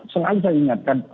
selalu saya ingatkan